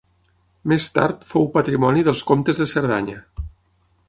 Més tard fou patrimoni dels comtes de Cerdanya.